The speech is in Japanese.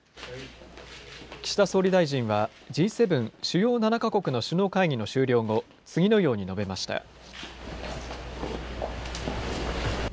岸田総理大臣は、Ｇ７・主要７か国の首脳会議の終了後、次のように述べました。